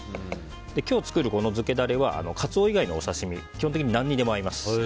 今日作る漬けダレはカツオ以外のお刺し身基本的に何にでも合います。